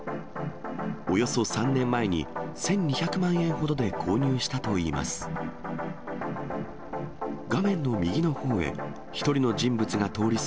およそ３年前に１２００万円ほどで購入したといいます。